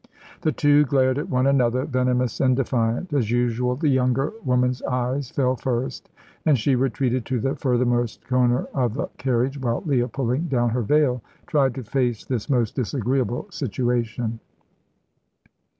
The two glared at one another, venomous and defiant. As usual, the younger woman's eyes fell first, and she retreated to the furthermost corner of the carriage, while Leah, pulling down her veil, tried to face this most disagreeable situation.